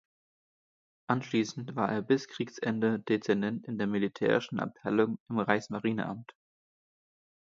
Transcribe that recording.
Anschließend war er bis Kriegsende Dezernent in der militärischen Abteilung im Reichsmarineamt.